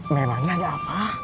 memangnya ada apa